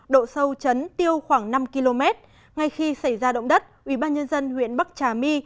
độ sâu chấn tiêu khoảng năm km ngay khi xảy ra động đất ubnd huyện bắc trà my